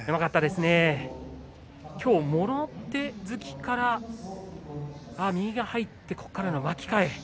今日もろ手突きから右が入ってそこからの巻き替え。